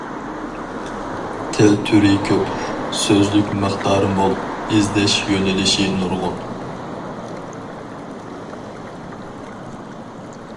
تىل تۈرى كۆپ، سۆزلۈك مىقدارى مول، ئىزدەش يۆنىلىشى نۇرغۇن.